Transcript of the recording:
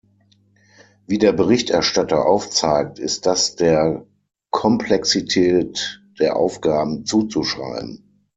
Wie der Berichterstatter aufzeigt, ist das der Komplexität der Aufgaben zuzuschreiben.